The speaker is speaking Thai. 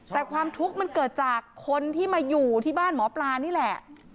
แต่ความทุกข์มันเกิดจากคนที่มาอยู่ที่บ้านหมอปลานี่แหละ